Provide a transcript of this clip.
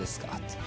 って。